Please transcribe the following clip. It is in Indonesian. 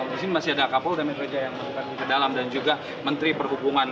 di sini masih ada kapol damit reja yang mengejar ke dalam dan juga menteri perhubungan